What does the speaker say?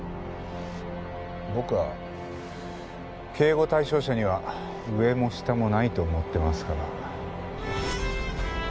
僕は警護対象者には上も下もないと思ってますから。